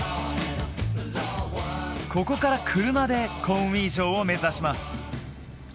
ここから車でコンウィ城を目指します